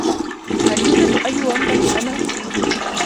هل يوجد أي ومضة أمل؟